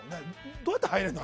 どうやって入れるの？